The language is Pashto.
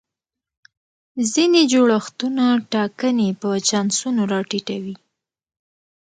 ځینې جوړښتونه ټاکنې په چانسونو را ټیټوي.